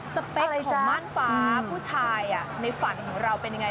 สเปคจากม่านฟ้าผู้ชายในฝันของเราเป็นยังไง